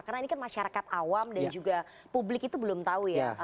karena ini kan masyarakat awam dan juga publik itu belum tahu ya